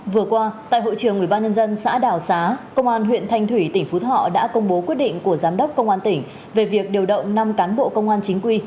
vừa qua tại hội trường ubnd xã đào xá công an huyện thanh thủy tỉnh phú thọ đã công bố quyết định của giám đốc công an tỉnh về việc điều động năm cán bộ công an chính quy